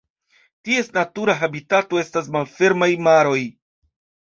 Ties natura habitato estas malfermaj maroj.